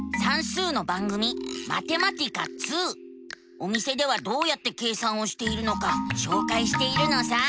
お店ではどうやって計算をしているのかしょうかいしているのさ。